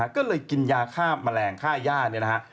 ก็เลยกินยาฆ่าแมลงฆ่าญาตินี่นะครับ